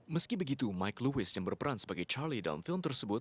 meski begitu mic louis yang berperan sebagai charlie dalam film tersebut